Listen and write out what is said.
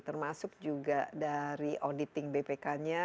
termasuk juga dari auditing bpk nya